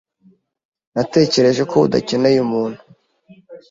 Natekereje ko udakeneye umuntu.